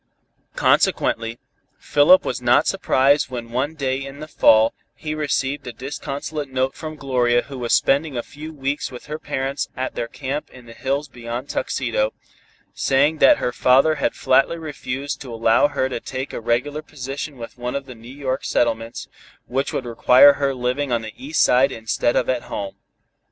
Consequently, Philip was not surprised when one day in the fall, he received a disconsolate note from Gloria who was spending a few weeks with her parents at their camp in the hills beyond Tuxedo, saying that her father had flatly refused to allow her to take a regular position with one of the New York settlements, which would require her living on the East Side instead of at home.